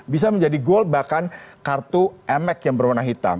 bisa menjadi gold bahkan kartu emek yang berwarna hitam